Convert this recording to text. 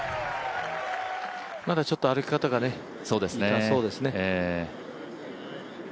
まだちょっと歩き方がね、痛そうですね。